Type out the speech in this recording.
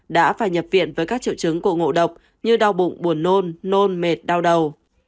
đã phải nhập viện với các triệu chứng của ngộ độc như đau bụng buồn nôn nôn mệt đau đầu